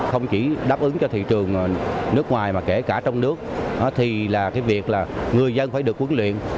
không chỉ đáp ứng cho thị trường nước ngoài mà kể cả trong nước thì là cái việc là người dân phải được huấn luyện